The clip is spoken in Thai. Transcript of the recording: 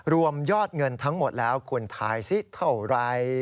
รวมยอดเงินทั้งหมดแล้วคุณทายสิเท่าไร